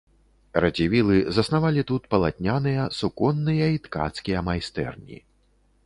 Радзівілы заснавалі тут палатняныя, суконныя і ткацкія майстэрні.